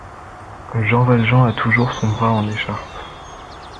Jean Valjean a toujours son bras en écharpe